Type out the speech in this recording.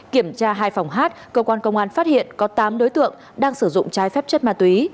kiểm tra hai phòng hát cơ quan công an phát hiện có tám đối tượng đang sử dụng trái phép chất ma túy